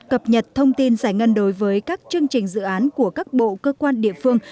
cập nhật thông tin giải ngân đối với các chương trình dự án của các bộ cơ quan địa phương